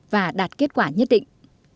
và đạt kết quả nhất định